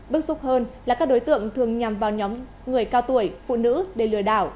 bức xúc hơn là các đối tượng thường nhằm vào nhóm người cao tuổi phụ nữ để lừa đảo